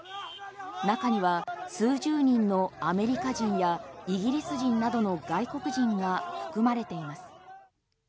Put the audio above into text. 中には数十人のアメリカ人やイギリス人などの外国人が含まれています。